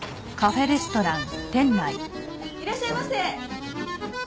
いらっしゃいませ！